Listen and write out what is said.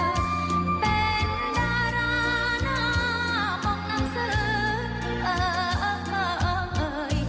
เป็นดาราหน้าของหนังสือ